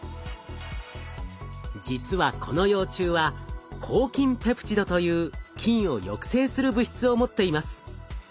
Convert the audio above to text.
実はこの幼虫は抗菌ペプチドという菌を抑制する物質を持っています。